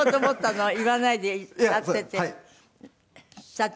さて。